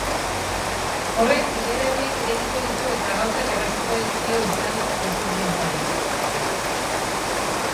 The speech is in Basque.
Horrek bide berriak irekiko ditu eta gauzak erraztuko dizkio euskal kulturgintzari.